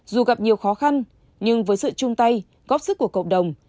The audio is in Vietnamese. dù gặp nhiều khó khăn nhưng với sự chung tay góp sức của cộng đồng